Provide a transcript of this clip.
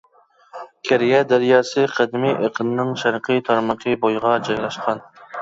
كېرىيە دەرياسى قەدىمىي ئېقىنىنىڭ شەرقى تارمىقى بويىغا جايلاشقان.